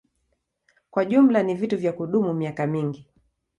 Kwa jumla ni vitu vya kudumu miaka mingi.